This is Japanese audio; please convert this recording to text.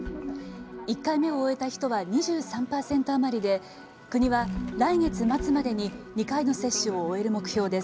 １回目を終えた人は２３％余りで国は来月末までに２回の接種を終える目標です。